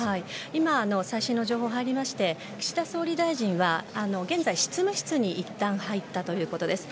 今、最新の情報が入りまして岸田総理大臣は現在執務室にいったん入ったということです。